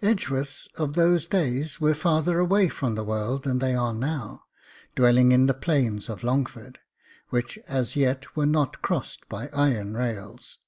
Edgeworths of those days were farther away from the world than they are now, dwelling in the plains of Longford, which as yet were not crossed by iron rails.